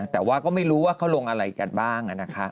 แต่ว่าก็ไม่รู้ว่าเขาลงอะไรกันบ้างนะคะ